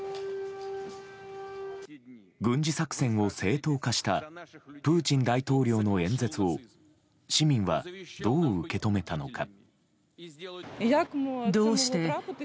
軍事作戦を正当化したプーチン大統領の演説を市民はどう受け止めたのか。